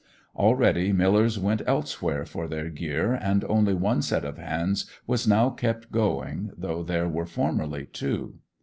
Already millers went elsewhere for their gear, and only one set of hands was now kept going, though there were formerly two.